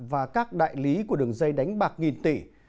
và các đại lý của đường dây đánh bạc nghìn tỷ